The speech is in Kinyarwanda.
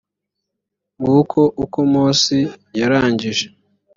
nguko uko mose yarangije